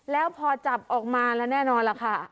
แล้วพอจับออกมาแล้วแน่นอนล่ะค่ะ